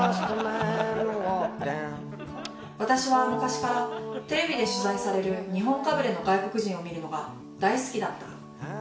私は昔からテレビで取材される日本かぶれの外国人を見るのが大好きだった。